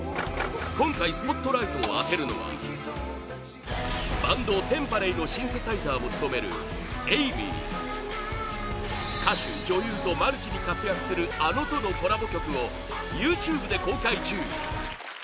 今回スポットライトを当てるのはバンド、Ｔｅｍｐａｌａｙのシンセサイザーも務めるＡＡＡＭＹＹＹ歌手、女優とマルチに活躍するあのとのコラボ曲をＹｏｕＴｕｂｅで公開中